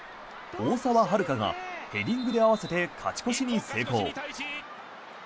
大澤春花がヘディングで合わせて勝ち越しに成功。